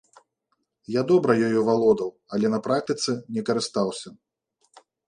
Я добра ёю валодаў, але на практыцы не карыстаўся.